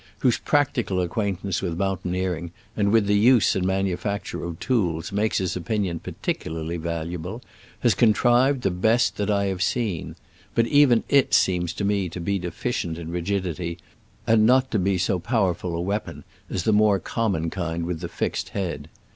whose practical ac quaintance with mountaineering and with the use and manufacture of tools makes his opinion particularly valuable, has contrived the best that I have seen ; but even it seems to me to be deficient in rigidity, and not to be so powerful a weapon as the more common kind with the fixed head.